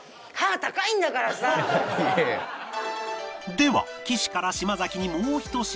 では岸から島崎にもう１品